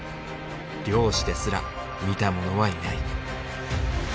漁師ですら見た者はいない。